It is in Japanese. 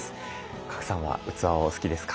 賀来さんは器はお好きですか？